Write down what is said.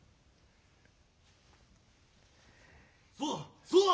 そうだそうだ！